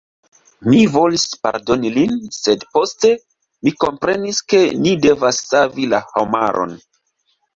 Mi volis pardoni lin, sed poste mi komprenis ke ni devas savi la homaron.